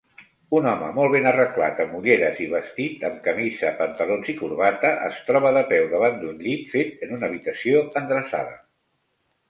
Un home molt ben arreglat amb ulleres i vestit amb camisa, pantalons i corbata es troba de peu davant d'un llit fet en una habitació endreçada